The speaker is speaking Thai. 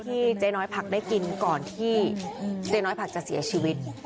เจ๊น้อยผักได้กินก่อนที่เจ๊น้อยผักจะเสียชีวิต